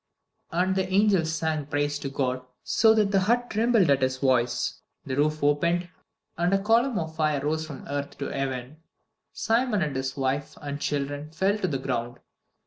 And the angel sang praise to God, so that the hut trembled at his voice. The roof opened, and a column of fire rose from earth to heaven. Simon and his wife and children fell to the ground.